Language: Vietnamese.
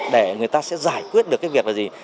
để người ta sẽ giải quyết được cái việc là gì